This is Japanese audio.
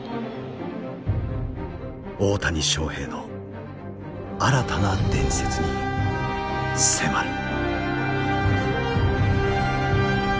大谷翔平の新たな伝説に迫る。